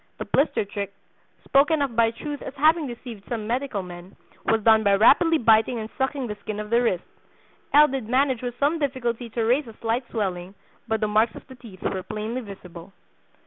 The 'blister trick,' spoken of by Truth as having deceived some medical men, was done by rapidly biting and sucking the skin of the wrist. L. did manage with some difficulty to raise a slight swelling, but the marks of the teeth were plainly visible."